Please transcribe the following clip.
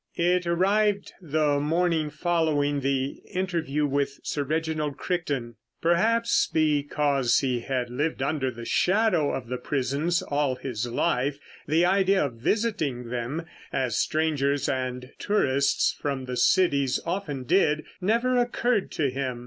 It arrived the morning following the interview with Sir Reginald Crichton. Perhaps because he had lived under the shadow of the prisons all his life, the idea of visiting them (as strangers and tourists from the cities often did) never occurred to him.